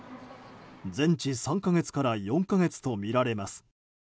全治３か月から４か月とみられます。